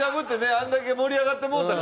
あれだけ盛り上がってもうたからな。